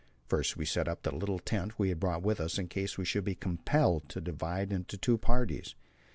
First we set up the little tent we had brought with us in case we should be compelled to divide into two parties.